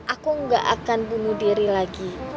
aku nggak akan bunuh diri lagi